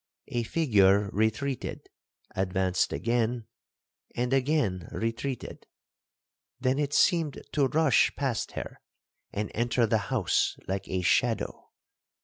A figure retreated, advanced again, and again retreated. Then it seemed to rush past her, and enter the house like a shadow.